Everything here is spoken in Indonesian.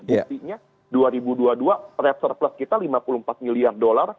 buktinya dua ribu dua puluh dua rad surplus kita lima puluh empat miliar dolar